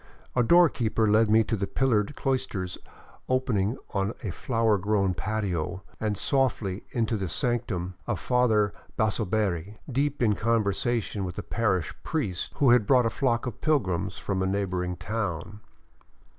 A doorkeeper led me into pillared cloisters opening on a flower grown patio and softly into the sanctum of Father Basoberri, deep in conversation with a parish priest who had brought a flock of pilgrims from a neighboring town.